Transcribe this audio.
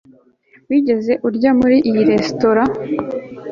Wigeze urya muri iyo resitora